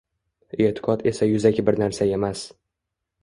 E’tiqod esa yuzaki bir narsa emas